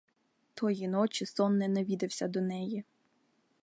Тої ночі сон не навідався до неї.